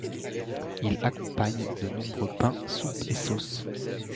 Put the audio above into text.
Il accompagne de nombreux pains, soupes et sauces.